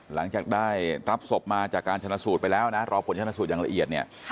หลังจากได้รับศพมาจากการชนะสูตรไปแล้วนะรอผลชนะสูตรอย่างละเอียดเนี่ย